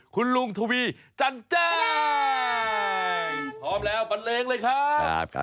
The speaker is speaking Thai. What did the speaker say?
คุณลุงทวีจันแจ้งพร้อมแล้วบันเลงเลยครับ